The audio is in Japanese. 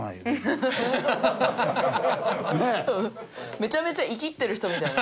めちゃめちゃイキってる人みたいな。